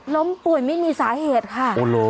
ล้มป่วยไม่มีสาเหตุค่ะ